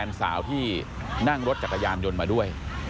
สาวที่นั่งรถจักรยานยนต์มาด้วย